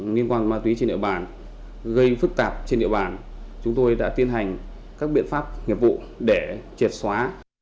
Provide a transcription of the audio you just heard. nhiều đối tượng nghiện ma túy trên địa bàn gây phức tạp trên địa bàn chúng tôi đã tiến hành các biện pháp nghiệp vụ để chệt xóa